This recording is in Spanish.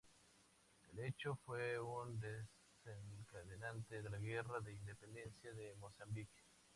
El hecho fue un desencadenante de la guerra de independencia de Mozambique.